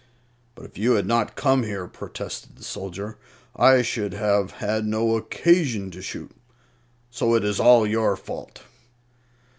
"But if you had not come here," protested the soldier, "I should have had no occasion to shoot. So it is all your fault."